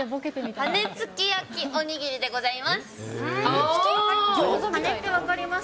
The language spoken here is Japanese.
羽根つき焼きおにぎりでございま